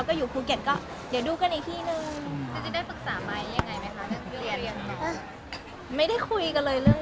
ก็คือเราก็ตั้งใจเอง